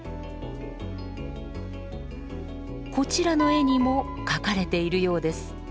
こちらの絵にも描かれているようです。